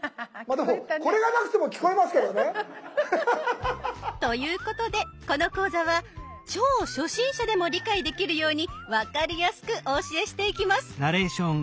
でもこれがなくても聞こえますけどね。ということでこの講座は超初心者でも理解できるように分かりやすくお教えしていきます。